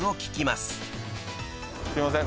すいません。